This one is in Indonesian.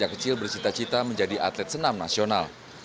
kecil bercita cita menjadi atlet senam nasional